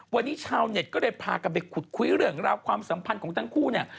วันนี้ชาวเน็ตก็เลยพากันไปขุดคุยเรื่องราวความสัมพันธ์ของทั้งคู่เนี่ย